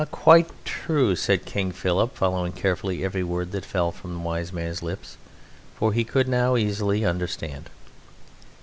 "Quite true," said King Philip, following carefully every word that fell from the wise man's lips, for he could now easily understand.